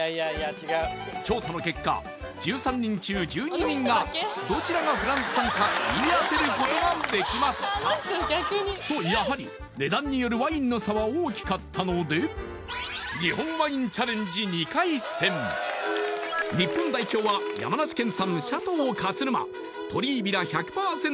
何と調査の結果１３人中１２人がどちらがフランス産か言い当てることができましたとやはり値段によるワインの差は大きかったので日本ワインチャレンジ２回戦日本代表は山梨県産シャトー勝沼鳥居平１００％